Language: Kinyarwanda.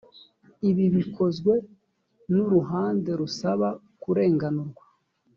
ibi bikozwe n uruhande rusaba kurenganurwa